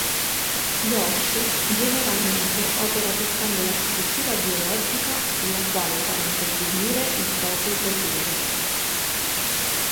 Josh generalmente opera toccando la struttura biologica sulla quale fare intervenire il proprio potere.